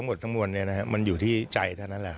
สิ่งทุกอย่างทั้งหมดมันอยู่ที่ใจแท้นั้นแหละครับ